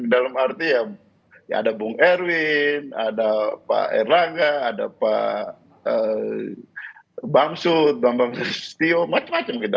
dalam arti ya ada bung erwin ada pak erlangga ada pak bamsud bambang sustio macam macam gitu